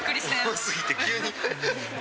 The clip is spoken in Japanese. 多すぎて、急に。